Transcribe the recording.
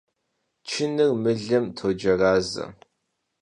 Чыныр мылым тоджэразэ.